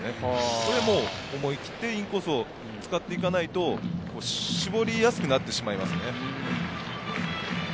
それで思い切ってインコースを使っていかないと、絞りやすくなってしまいますよね。